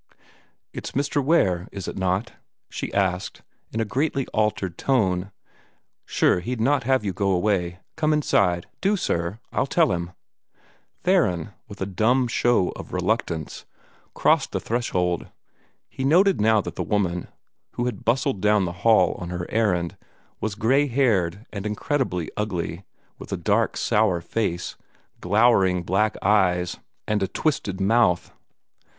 "It's Mr. Ware, is it not?" she asked, in a greatly altered tone. "Sure, he'd not have you go away. Come inside do, sir! I'll tell him." Theron, with a dumb show of reluctance, crossed the threshold. He noted now that the woman, who had bustled down the hall on her errand, was gray haired and incredibly ugly, with a dark sour face, glowering black eyes, and a twisted mouth.